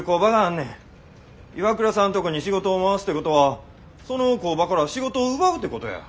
岩倉さんとこに仕事を回すてことはその工場から仕事奪うてことや。